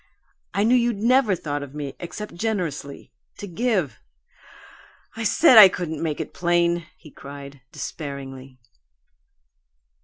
I knew you'd NEVER thought of me except generously to give. I said I couldn't make it plain!" he cried, despairingly.